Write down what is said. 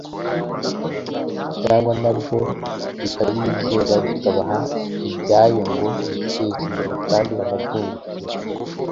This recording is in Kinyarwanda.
cyangwa nabyo bikabizera bikabaha iyabyo ngo biteze imbere kandi banabyungukire